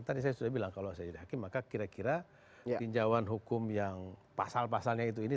tadi saya sudah bilang kalau saya jadi hakim maka kira kira tinjauan hukum yang pasal pasalnya itu ini